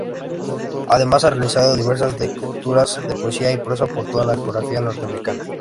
Además ha realizado diversas lecturas de poesía y prosa por toda la geografía norteamericana.